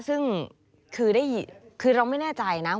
ซึ่งคือเราไม่แน่ใจนะ